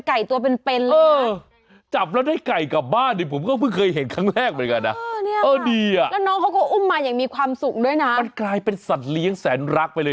ให้ตัวน้อยนะตัวนี้ไอหนูเดี๋ยวมันอีกนิด